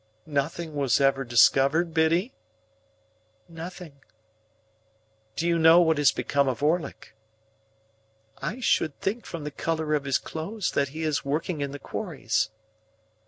"Nothing was ever discovered, Biddy?" "Nothing." "Do you know what is become of Orlick?" "I should think from the colour of his clothes that he is working in the quarries."